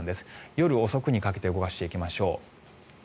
夜遅くにかけて動かしていきましょう。